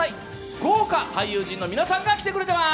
豪華俳優陣の皆さんが来てくれています。